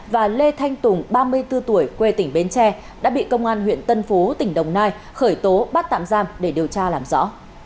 và lê thanh tùng ba mươi bốn tuổi quê tỉnh bến tre đã bị công an huyện tân phú tỉnh đồng nai khởi tố bắt tạm giam để điều tra làm rõ